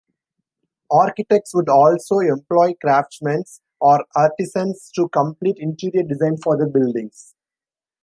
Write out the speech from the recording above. Architects would also employ craftsmen or artisans to complete interior design for their buildings.